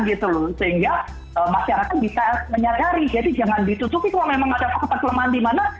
sehingga masyarakat bisa menyadari jadi jangan ditutupi kalau memang ada kelemahan di mana